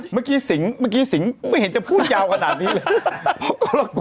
เมื่อกี้สิงค์ไม่เห็นจะพูดยาวขนาดนี้เลย